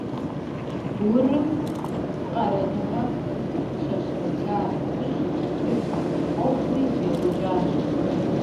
Урым къэралыгъуэр щэщэжа нэужь, тхылъ ӏуэхури екӏэкӏуащ.